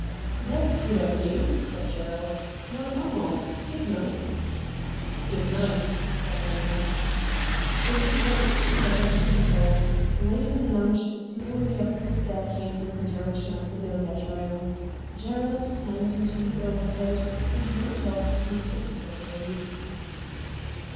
' That's good of you,' said Gerald. ' Well, I'm off. Good night.' ' Good night,' said Eaven. They had walked together into the hall. Raven lounged slowly up the staircase in the direction of the bilhard room. Gerald climbed into his overcoat and went off to his festivity.